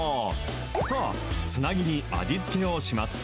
さあ、つなぎに味付けをします。